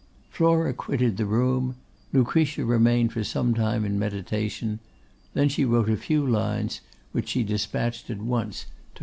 Flora quitted the room. Lucretia remained for some time in meditation; then she wrote a few lines, which she despatched at once to Mr. Rigby.